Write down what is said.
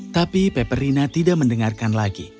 tapi peperina tidak mendengarkan lagi